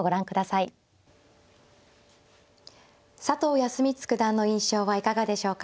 康光九段の印象はいかがでしょうか。